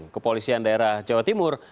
kepolisian daerah jawa timur